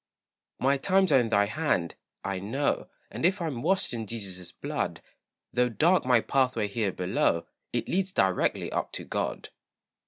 My times are in thy hand, I know; And if I'm washed in Jesus' blood, Though dark my pathway here below, It leads directly up to God.